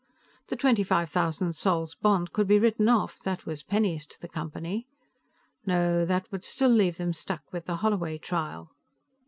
The twenty five thousand sols' bond could be written off; that was pennies to the Company. No, that would still leave them stuck with the Holloway trial.